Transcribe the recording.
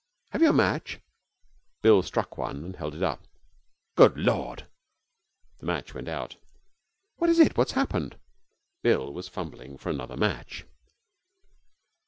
Have you a match?' Bill struck one and held it up. 'Good Lord!' The match went out. 'What is it? What has happened?' Bill was fumbling for another match.